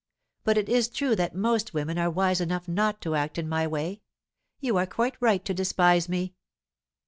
But it is true that most women are wise enough not to act in my way. You are quite right to despise me."